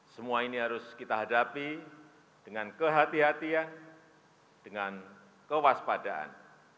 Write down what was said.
semua ini harus kita hadapi dengan kehatian dengan kewaspadaan